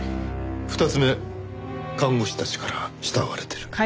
２つ目「看護師たちから慕われてる」。